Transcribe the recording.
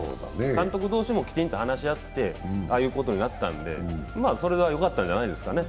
監督同士もきちんと話し合ったああいうことになったのでよかったんじゃないですかね。